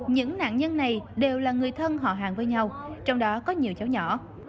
những nạn nhân này đều là người thân họ hàng với nhau trong đó có nhiều cháu nhỏ